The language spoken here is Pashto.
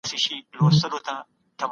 د جنګي قضیې پیلوونکي بې مطالعې وو.